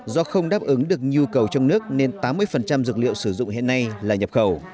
do không đáp ứng được nhu cầu trong nước nên tám mươi dược liệu sử dụng hiện nay là nhập khẩu